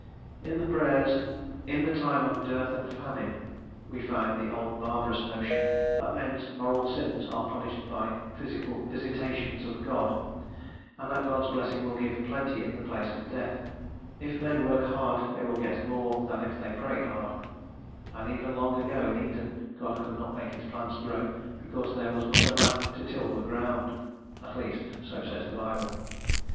In the prayers "in the time of dearth and famine" we find the old barbarous notion that men's moral sins are punished by physical "visitations of God," and that God's blessing will give plenty in the place of death: if men work hard they will get more than if they pray hard, and even long ago in Eden God could not make his plants grow, because "there was not a man to till the ground;" at least, so says the Bible.